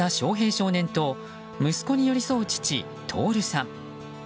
少年と息子に寄り添う父・徹さん。